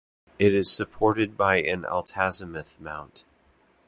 It is supported by an altazimuth mount.